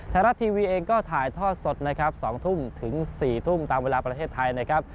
ไทยรัฐทีวีเองก็ถ่ายทอดสดนะครับ๒ทุ่มถึง๔ทุ่มตามเวลาประเทศไทยนะครับ